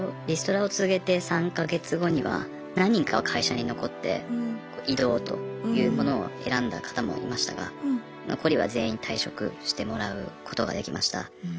リストラを告げて３か月後には何人かは会社に残って異動というものを選んだ方もいましたが残りは全員退職してもらうことができました。